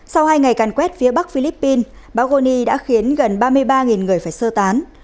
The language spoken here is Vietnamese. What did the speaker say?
sau hai ngày càn quét phía bắc philippines bão goni đã khiến gần ba mươi ba người phải sơ tán